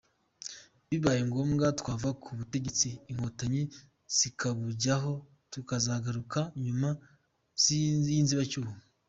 Bibaye ngombwa twava ku butegetsi Inkotanyi zikabujyaho tukazagaruka nyuma y’inzibacyuho.